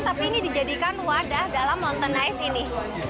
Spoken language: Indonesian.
tapi ini dijadikan wadah dalam mountain ice ini